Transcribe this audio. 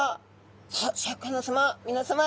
さあシャーク香音さまみなさま